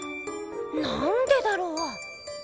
なんでだろう？